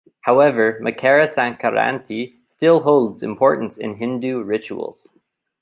However Makara Sankranti still holds importance in Hindu rituals.